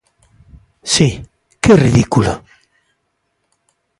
Si, ¡que ridículo!